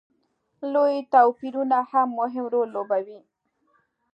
لوی توپیرونه هم مهم رول لوبوي.